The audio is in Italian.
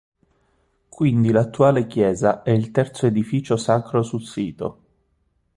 Quindi l'attuale chiesa è il terzo edificio sacro sul sito.